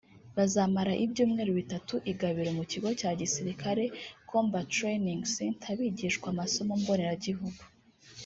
Bazamara ibyumweru bitatu i Gabiro mu kigo cya gisirikare [Combat Training Center] bigishwa amasomo mboneragihugu